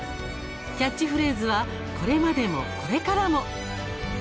キャッチフレーズは「これまでも、これからも」。